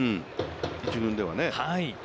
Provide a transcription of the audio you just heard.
１軍ではね。